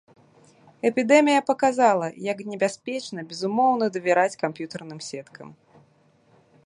Эпідэмія паказала, як небяспечна безумоўна давяраць камп'ютарным сеткам.